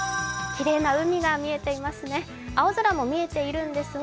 きれいな海が見えていますね。